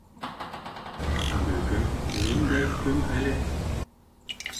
Бөгөн ниндәй көн әле?